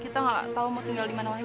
kita gak tau mau tinggal dimana lagi